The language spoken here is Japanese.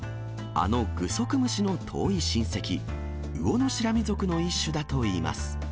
あのグソクムシの遠い親戚、ウオノシラミ属の一種だといいます。